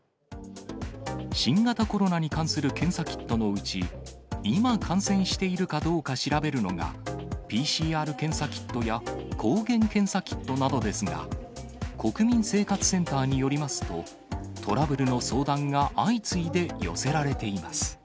新型コロナに関する検査キットのうち、今、感染しているかどうか調べるのが、ＰＣＲ検査キットや抗原検査キットなどですが、国民生活センターによりますと、トラブルの相談が相次いで寄せられています。